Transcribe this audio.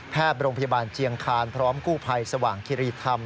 โรงพยาบาลเจียงคานพร้อมกู้ภัยสว่างคิรีธรรม